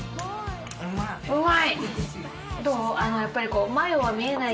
うまい！